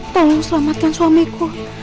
tolong selamatkan suamiku